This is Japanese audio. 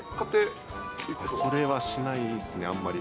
それはしないですね、あんまり。